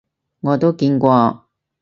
我都見過